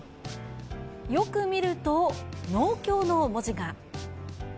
よく見ると、農協の文字が。